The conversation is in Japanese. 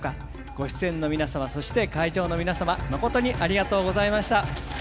ご出演の皆様そして会場の皆様まことにありがとうございました。